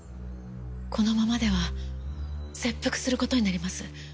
このままでは切腹する事になります。